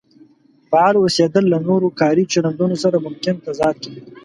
فعال اوسېدل له نورو کاري چلندونو سره ممکن تضاد کې وي.